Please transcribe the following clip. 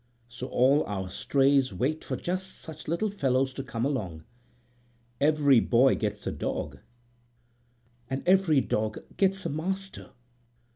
So all our strays wait for just such little fellows to come along. Every boy gets a dog, and every dog gets a master."